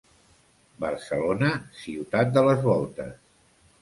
Barcelona, ciutat de les voltes.